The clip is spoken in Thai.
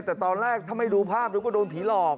แต่ตอนแรกถ้าไม่ดูภาพนึกว่าโดนผีหลอก